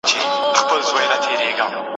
موسیقي، قمار، شراب هر څه یې بند کړل